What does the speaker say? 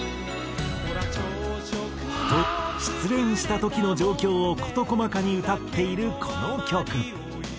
「ほら朝食も」と失恋した時の状況を事細かに歌っているこの曲。